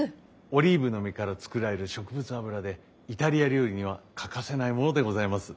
オリーブの実から作られる植物油でイタリア料理には欠かせないものでございます。